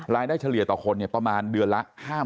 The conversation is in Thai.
รายได้เฉลี่ยต่อคนเนี่ยประมาณเดือนละ๕๕๐๐๐